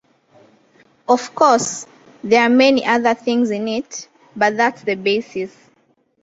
Of course, there are many other things in it, but that's the basis.